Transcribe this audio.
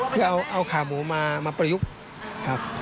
คือเอาขาหมูมาประยุกต์ครับ